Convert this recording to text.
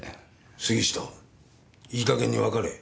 杉下いい加減にわかれ。